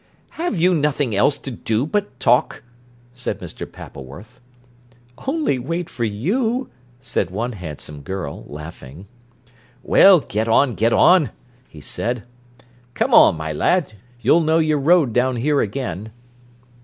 "Have you nothing else to do but talk?" said Mr. Pappleworth. "Only wait for you," said one handsome girl, laughing. "Well, get on, get on," he said. "Come on, my lad. You'll know your road down here again."